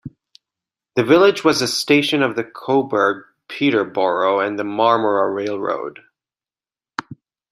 The village was a Station of the Cobourg Peterboro and Marmora Railroad.